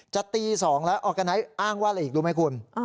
จะตี๒แล้วออร์กาไนท์อ้างว่าอะไรอีกรู้ไหมคุณ